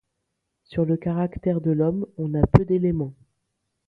Sur le caractère de l'homme, on a peu d'éléments.